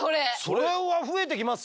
それは増えていきますよ。